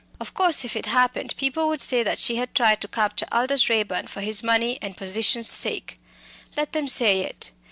Of course, if it happened, people would say that she had tried to capture Aldous Raeburn for his money and position's sake. Let them say it.